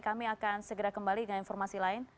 kami akan segera kembali dengan informasi lain